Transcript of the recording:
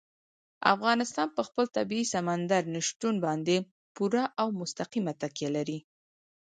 افغانستان په خپل طبیعي سمندر نه شتون باندې پوره او مستقیمه تکیه لري.